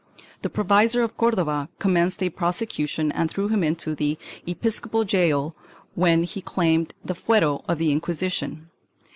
The provisor of Cordova commenced a prosecution and threw him into the episcopal gaol, when he claimed the fuero of the Inquisition.